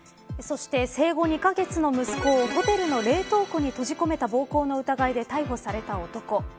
そして生後２カ月の息子を冷凍庫に閉じ込めた暴行の疑いで逮捕された男。